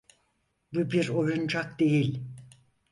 Bu bir oyuncak değil.